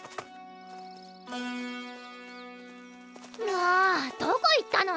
もうどこ行ったの！？